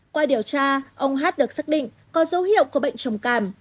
qua điều tra ông hát được xác định có dấu hiệu của bệnh trồng càm